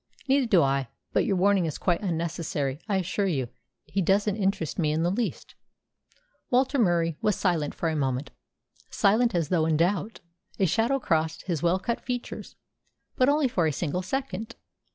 "Neither do I. But your warning is quite unnecessary, I assure you. He doesn't interest me in the least." Walter Murie was silent for a moment, silent as though in doubt. A shadow crossed his well cut features, but only for a single second.